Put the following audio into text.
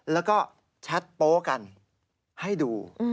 แล้วก็แชทโป๊กันให้ดู